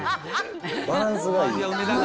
バランスがいい。